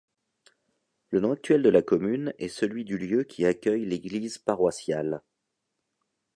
Le nom actuel de la commune est celui du lieu qui accueille l'église paroissiale.